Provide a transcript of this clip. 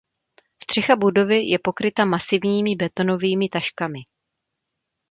Střecha budovy je pokryta masivními betonovými taškami.